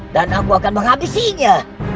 dan aku akan menghabisinya